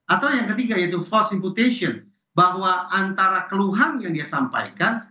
atau yang ketiga yaitu force inputation bahwa antara keluhan yang dia sampaikan